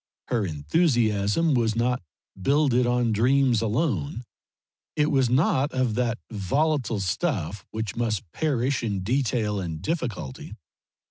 Her enthusiasm was not builded on dreams alone; it was not of that volatile stuff which must perish in detail and difficulty.